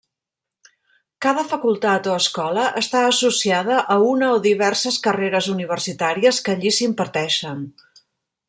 Cada facultat o escola està associada a una o diverses carreres universitàries que allí s'imparteixen.